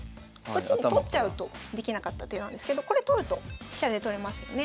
こっちに取っちゃうとできなかった手なんですけどこれ取ると飛車で取れますよね。